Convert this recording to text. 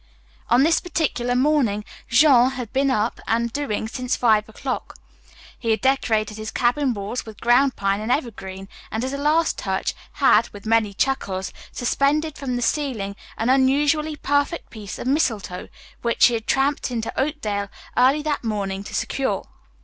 On this particular morning Jean had been up and doing since five o'clock. He had decorated his cabin walls with ground pine and evergreen, and as a last touch had, with many chuckles, suspended from the ceiling an unusually perfect piece of mistletoe, which he had tramped into Oakdale early that morning to secure.